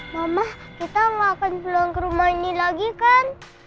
mama kita mau akan pulang ke rumah ini lagi kan